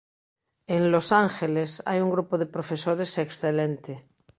en Los Ángeles hai un grupo de profesores excelente;